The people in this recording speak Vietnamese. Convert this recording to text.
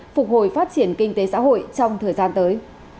phục hồi phát triển kinh tế xã hội trong thời gian tới